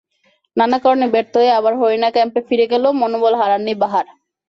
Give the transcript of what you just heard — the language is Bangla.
নানা কারণে ব্যর্থ হয়ে আবার হরিণা ক্যাম্পে ফিরে গেলেও মনোবল হারাননি বাহার।